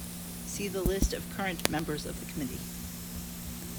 See the list of current members of the Committee.